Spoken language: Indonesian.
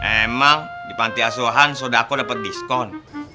emang di pantiasuhan sodako dapet diskon